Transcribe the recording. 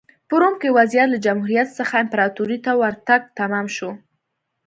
په روم کې وضعیت له جمهوریت څخه امپراتورۍ ته ورتګ تمام شو